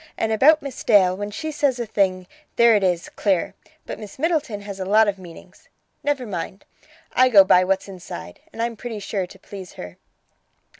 And about Miss Dale, when she says a thing, there it is, clear. But Miss Middleton has a lot of meanings. Never mind; I go by what's inside, and I'm pretty sure to please her."